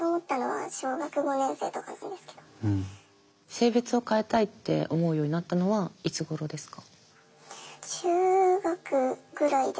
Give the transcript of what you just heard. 性別を変えたいって思うようになったのはいつごろですか？